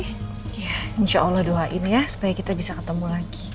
insya allah doain ya supaya kita bisa ketemu lagi